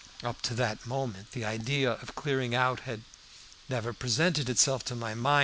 Up to that moment the idea of clearing out had never presented itself to my mind.